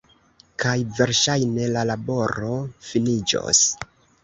kaj verŝajne la laboro finiĝos